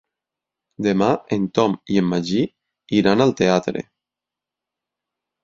Demà en Tom i en Magí iran al teatre.